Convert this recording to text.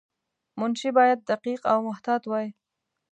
منشي باید دقیق او محتاط وای.